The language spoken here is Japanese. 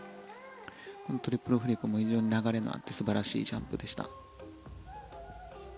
このトリプルフリップも非常に流れのあって素晴らしいジャンプでした。